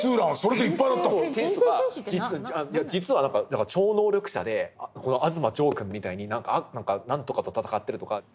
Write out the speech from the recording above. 実は超能力者でこの東丈くんみたいに何とかと戦ってるとか。